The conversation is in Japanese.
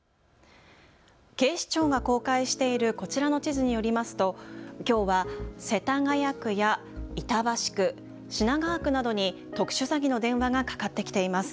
警視庁が公開しているこちらの地図によりますときょうは世田谷区や板橋区、品川区などに特殊詐欺の電話がかかってきています。